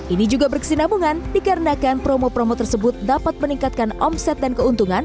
ini juga berkesinambungan dikarenakan promo promo tersebut dapat meningkatkan omset dan keuntungan